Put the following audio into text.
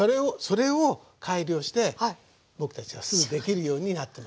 それを改良して僕たちがすぐできるようになってますから。